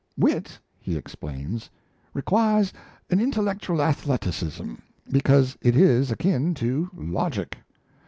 "Wit," he explains, "requires an intellectual athleticism, because it is akin to logic.